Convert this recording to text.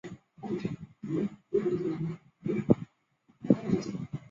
计算函数是在自然数上的有限偏函数。